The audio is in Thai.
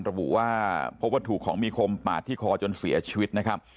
ระบุว่าพบว่าถูกของมีคมปาดที่คอจนเสียชีวิตนะครับ